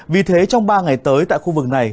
vì thế trong ba ngày tới tại khu vực này